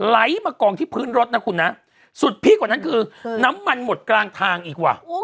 ไหลมากองที่พื้นรถนะคุณนะสุดพีคกว่านั้นคือน้ำมันหมดกลางทางอีกว่ะ